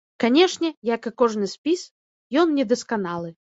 Канешне, як і кожны спіс, ён недасканалы.